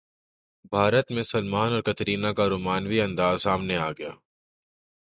بھارت میں سلمان اور کترینہ کا رومانوی انداز سامنے اگیا